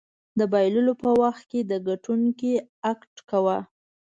د بایللو په وخت کې د ګټونکي اکټ کوه.